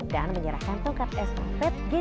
dan menyerahkan tongkat estafet presiden